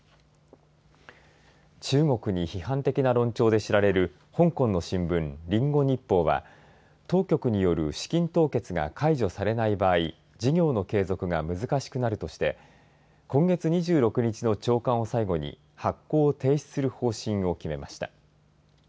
中国に批判的な論調で知られる香港の新聞、リンゴ日報は当局による資金凍結が解除されない場合事業の継続が難しくなるとして今月２６日の朝刊を最後に発行を停止する方針を決めました。